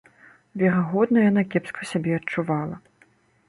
Верагодна, яна кепска сябе адчувала.